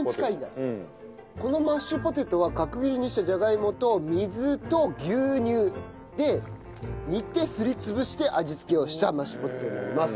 このマッシュポテトは角切りにしたじゃがいもと水と牛乳で煮てすり潰して味付けをしたマッシュポテトになります。